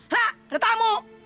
hah ada tamu